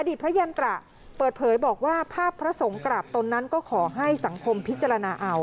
พระยันตระเปิดเผยบอกว่าภาพพระสงฆ์กราบตนนั้นก็ขอให้สังคมพิจารณาเอา